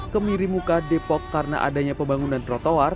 ke miri muka depok karena adanya pembangunan trotoa